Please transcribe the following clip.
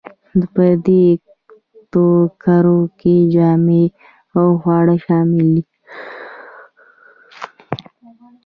په دې توکو کې جامې او خواړه شامل دي.